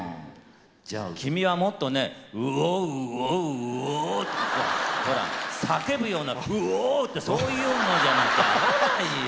じゃあ君はもっとね「ウォウウォウウォ」ってほら叫ぶような「ウォ」ってそういうのじゃなきゃ合わないよ。